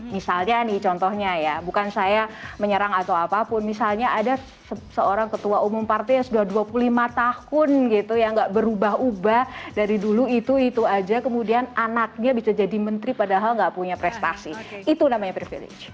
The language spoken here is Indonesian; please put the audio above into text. misalnya nih contohnya ya bukan saya menyerang atau apapun misalnya ada seorang ketua umum partai yang sudah dua puluh lima tahun gitu ya nggak berubah ubah dari dulu itu itu aja kemudian anaknya bisa jadi menteri padahal nggak punya prestasi itu namanya privilege